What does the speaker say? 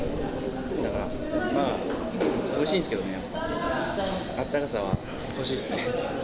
だから、まあ、おいしいんですけどね、やっぱ、あったかさは欲しいですね。